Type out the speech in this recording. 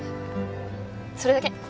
それだけ。